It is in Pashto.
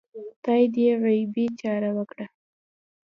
خدای دې غیبي چاره وکړه